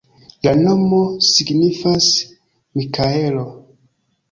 La nomo signifas Mikaelo.